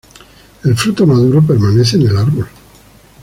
El fruto maduro permanece en el árbol.